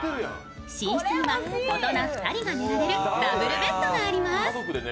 寝室には大人２人が寝られるダブルベッドがあります。